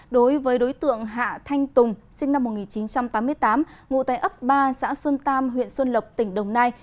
đối với đối tượng hạ thanh tùng sinh năm một nghìn chín trăm tám mươi tám ngụ tại ấp ba xã xuân tam huyện xuân lộc tỉnh đồng nai